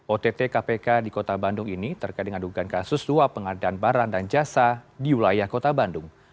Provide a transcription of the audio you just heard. ott kpk di kota bandung ini terkait dengan dugaan kasus dua pengadaan barang dan jasa di wilayah kota bandung